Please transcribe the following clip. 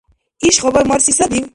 Иш хабар марси сабив?